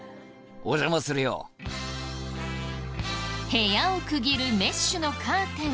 部屋を区切るメッシュのカーテン。